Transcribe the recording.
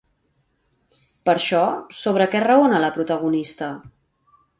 Per això, sobre què raona la protagonista?